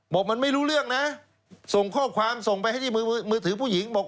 บอกมันไม่รู้เรื่องนะส่งข้อความส่งไปให้ที่มือถือผู้หญิงบอก